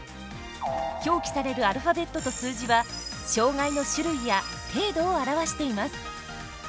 表記されるアルファベットと数字は障がいの種類や程度を表しています。